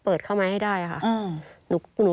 พี่เขาวิ่งมาซื้อ